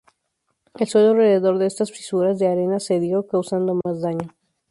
El suelo alrededor de estas fisuras de arena cedió, causando más daño.